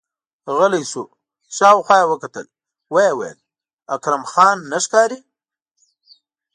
غلی شو، شاوخوا يې وکتل، ويې ويل: اکرم خان نه ښکاري!